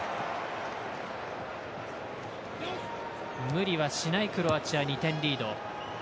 無理はしないクロアチア、２点リード。